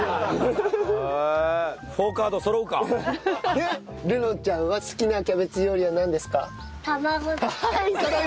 で遥望ちゃんは好きなキャベツ料理はなんですか？